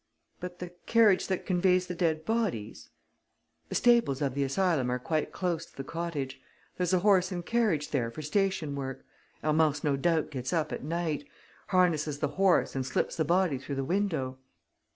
"But the carriage that conveys the dead bodies?" "The stables of the asylum are quite close to the cottage. There's a horse and carriage there for station work. Hermance no doubt gets up at night, harnesses the horse and slips the body through the window."